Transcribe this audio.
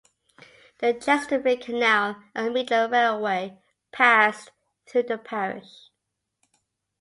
The Chesterfield Canal and Midland Railway passed through the parish.